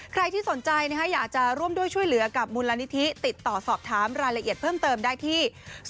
ใครที่สนใจอยากจะร่วมด้วยช่วยเหลือกับมูลนิธิติดต่อสอบถามรายละเอียดเพิ่มเติมได้ที่